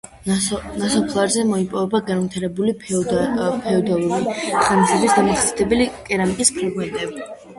ნასოფლარზე მოიპოვება განვითარებული ფეოდალური ხანისათვის დამახასიათებელი კერამიკის ფრაგმენტები.